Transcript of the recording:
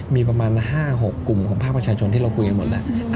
มีประมาณ๕๖กลุ่มของภาคประชาชนที่เราคุยกันหมดแล้ว